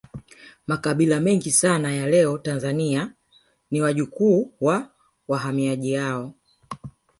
Makabila mengi sana ya leo katika Tanzania ni wajukuu wa wahamiaji hao